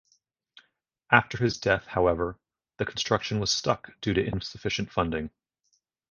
After his death, however, the construction was stuck due to insufficient funding.